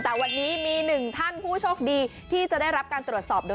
แต่วันนี้มีหนึ่งท่านผู้โชคดีที่จะได้รับการตรวจสอบโดย